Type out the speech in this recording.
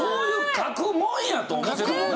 書くもんやと思ってたもんな。